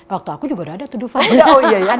waktu aku juga udah ada tuh dufan